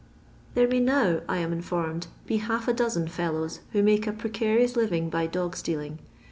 There may now, I am informed, be half a dozen fellows who make a precarious living by dog steal ing.